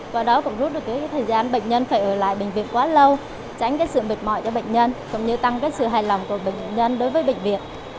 và đó cũng rút được thời gian bệnh nhân phải ở lại bệnh viện quá lâu tránh sự mệt mỏi cho bệnh nhân tăng sự hài lòng của bệnh nhân đối với bệnh viện